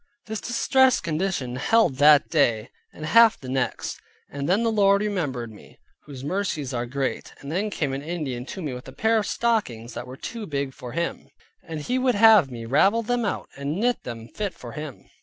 This distressed condition held that day, and half the next. And then the Lord remembered me, whose mercies are great. Then came an Indian to me with a pair of stockings that were too big for him, and he would have me ravel them out, and knit them fit for him.